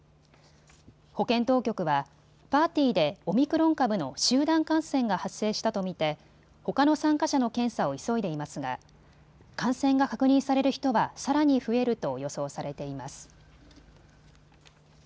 保健当局はパーティーでオミクロン株の集団感染が発生したと見てほかの参加者の検査を急いでいますが感染が確認される人はさらに増えると予想されています。